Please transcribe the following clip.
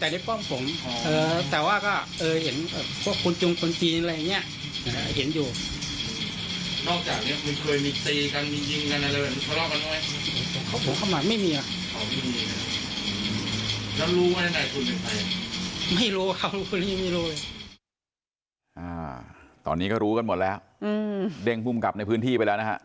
ตอนนี้ก็รู้กันหมดแล้วเด้งภูมิกับในพื้นที่ไปแล้วนะฮะ